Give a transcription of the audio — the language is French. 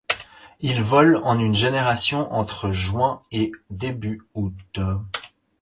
Il vole en une génération entre juin et début août.